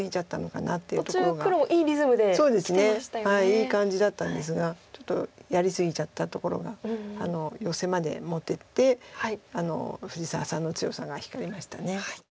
いい感じだったんですがちょっとやり過ぎちゃったところがヨセまで持ってって藤沢さんの強さが光りました。